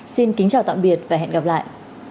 xin kính chào tạm biệt và hẹn gặp lại